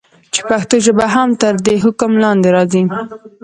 چې پښتو ژبه هم تر دي حکم لاندي راځي.